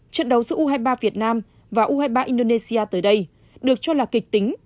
trận đấu giữa u hai mươi ba việt nam và u hai mươi ba indonesia tới đây được cho là kịch tính